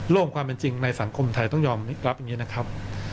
ความเป็นจริงในสังคมไทยต้องยอมรับอย่างนี้นะครับ